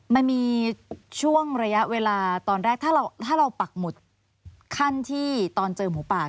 มันมีช่วงระยะเวลาตอนแรกถ้าเราปักหมุดขั้นที่ตอนเจอหมูป่า